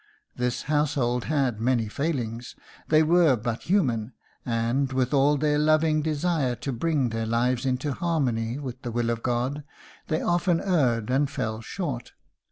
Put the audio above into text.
This household had many failings; they were but human, and, with all their loving desire to bring their lives into harmony with the will of God, they often erred and fell short.